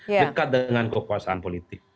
dekat dengan kekuasaan politik